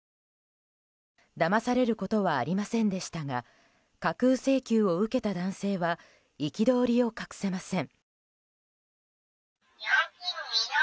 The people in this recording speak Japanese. だまされることはありませんでしたが架空請求を受けた男性は憤りを隠せません。